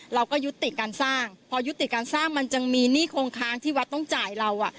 เราก็ยุติการสร้างพอยุติการสร้างมันจึงมีหนี้คงค้างที่วัดต้องจ่ายเราอ่ะ